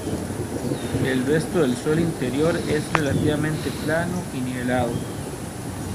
El resto del suelo interior es relativamente plano y nivelado.